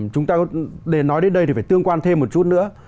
chúng ta để nói đến đây thì phải tương quan thêm một chút nữa